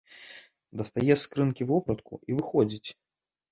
Дастае з скрынкі вопратку і выходзіць.